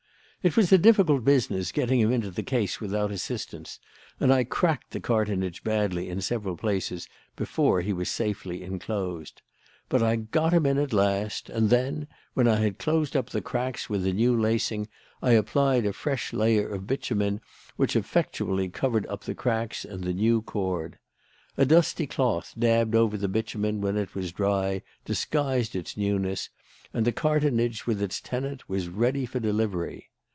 "It was a difficult business getting him into the case without assistance, and I cracked the cartonnage badly in several places before he was safely enclosed. But I got him in at last, and then, when I had closed up the case with a new lacing, I applied a fresh layer of bitumen which effectually covered up the cracks and the new cord. A dusty cloth dabbed over the bitumen when it was dry disguised its newness, and the cartonnage with its tenant was ready for delivery.